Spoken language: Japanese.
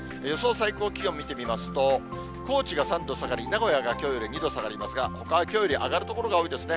最高気温見てみますと、高知が３度下がり、名古屋がきょうより２度下がりますが、ほかはきょうより上がる所が多いですね。